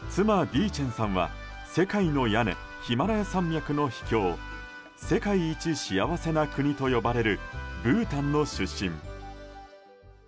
ディーチェンさんは世界の屋根、ヒマラヤ山脈の秘境世界一幸せな国と呼ばれるブータンの出身。